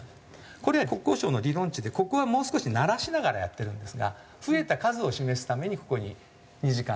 これ国交省の理論値でここはもう少しならしながらやってるんですが増えた数を示すためにここに２時間だけ。